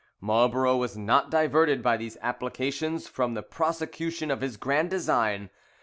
Marlborough was not diverted by these applications from the prosecution of his grand design.